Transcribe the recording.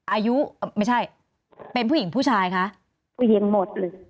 อายุไม่ใช่เป็นผู้หญิงผู้ชายคะผู้หญิงหมดเลย